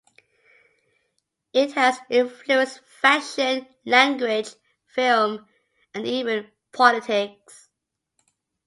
It has influenced fashion, language, film, and even politics.